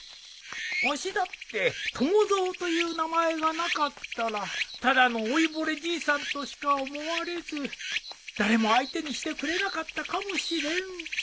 わしだって友蔵という名前がなかったらただの老いぼれじいさんとしか思われず誰も相手にしてくれなかったかもしれん。